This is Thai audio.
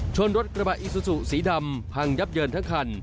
รถกระบะอิซูซูสีดำพังยับเยินทั้งคัน